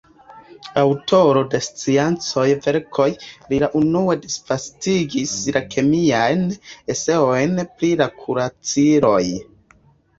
Aŭtoro de sciencaj verkoj, li la unua disvastigis la kemiajn eseojn pri la kuraciloj.